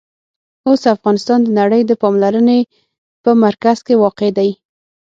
اوس افغانستان د نړۍ د پاملرنې په مرکز کې واقع دی.